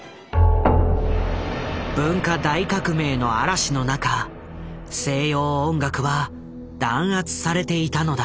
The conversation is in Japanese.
文化大革命の嵐の中西洋音楽は弾圧されていたのだ。